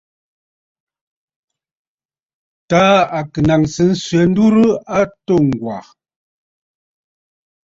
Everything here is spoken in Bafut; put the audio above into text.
Taà kɨ naŋsə swɛ̌ ndurə a atû Ŋgwà.